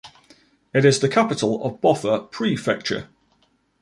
It is the capital of Boffa Prefecture.